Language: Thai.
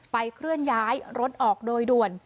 เคลื่อนย้ายรถออกโดยด่วน